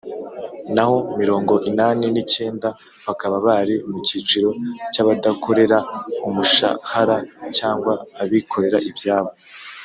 naho mirongo inani n’icyenda bakaba bari mu cyiciro cy'abadakorera umushahara cyangwa abikorera ibyabo.